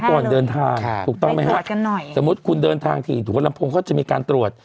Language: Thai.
ก่อนเดินทางถูกต้องไหมฮะตรวจกันหน่อยสมมุติคุณเดินทางที่หัวลำโพงเขาจะมีการตรวจ